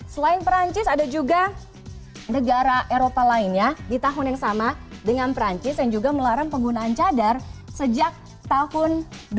selain perancis ada juga negara eropa lainnya di tahun yang sama dengan perancis yang juga melarang penggunaan cadar sejak tahun dua ribu